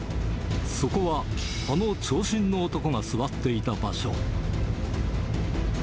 そこは、あの長身の男が座っていた場所。